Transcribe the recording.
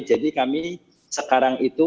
jadi kami sekarang itu